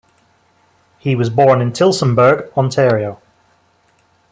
He was born in Tillsonburg, Ontario.